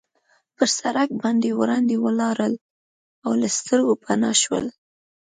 پر سړک باندې وړاندې ولاړل او له سترګو پناه شول.